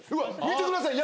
見てください